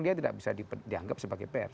dia tidak bisa dianggap sebagai pers